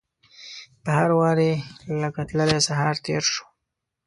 په هر واري لکه تللی سهار تیر شو